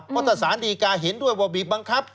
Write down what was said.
เพราะถ้าสารดีกาเห็นด้วยว่าบีบบังคับ